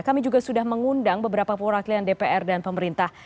kami juga sudah mengundang beberapa perwakilan dpr dan pemerintah